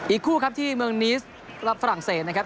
อีกคู่ครับที่เมืองนีสและฝรั่งเศสนะครับ